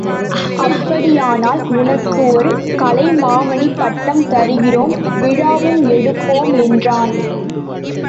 அப்படியானால் உனக்கு ஒரு கலைமாமணி பட்டம் தருகிறோம் விழாவும் எடுப்போம் என்றான்.